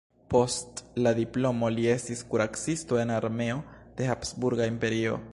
Post la diplomo li estis kuracisto en armeo de Habsburga Imperio.